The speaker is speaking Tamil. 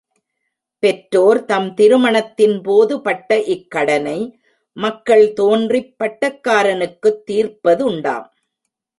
பெற்றோர் தம் திருமணத்தின்போது பட்ட இக் கடனை, மக்கள் தோன்றிப் பட்டக்காரனுக்குத் தீர்ப்பதுண்டாம்.